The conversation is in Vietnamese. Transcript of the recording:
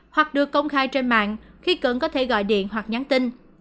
hoặc được công khai trên mạng khi cần có thể gọi điện hoặc nhắn tin